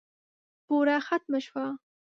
بوره ختمه شوه .